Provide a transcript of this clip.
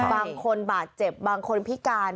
บางคนบาดเจ็บบางคนพิการ